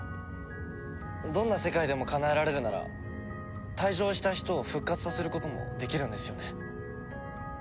どんな世界でもかなえられるなら退場した人を復活させることもできるんですよね？